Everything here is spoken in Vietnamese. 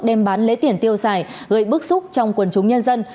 đem bán lễ tiền tiêu xài gây bức xúc trong quân chúng nhân dân